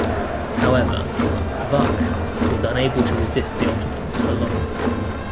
However, Vuk was unable to resist the Ottomans for long.